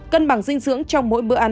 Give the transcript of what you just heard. cân bằng dinh dưỡng trong mỗi bữa ăn